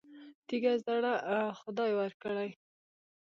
تیږه زړه خدای ورکړی.